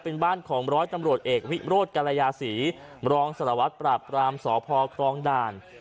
เป็นบ้านของร้อยตำรวจเอกวิโรธกรยาศรีมรองสารวัตรปราบรามสพครองด่าน